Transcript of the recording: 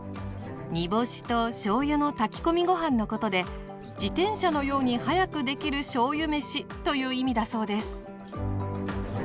煮干しとしょうゆの炊き込みご飯のことで自転車のように早くできるしょうゆめしという意味だそうです。